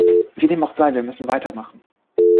Wie dem auch sei, wir müssen weitermachen.